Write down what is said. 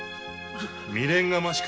未練がましく